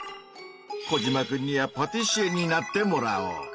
コジマくんにはパティシエになってもらおう！